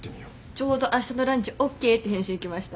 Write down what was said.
ちょうどあしたのランチＯＫって返信来ました。